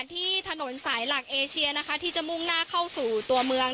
ที่ถนนสายหลักเอเชียนะคะที่จะมุ่งหน้าเข้าสู่ตัวเมือง